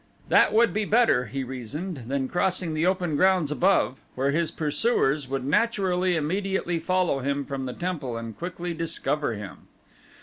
That would be better, he reasoned, than crossing the open grounds above where his pursuers would naturally immediately follow him from the temple and quickly discover him.